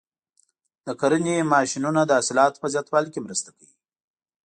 د کرنې ماشینونه د حاصلاتو په زیاتوالي کې مرسته کوي.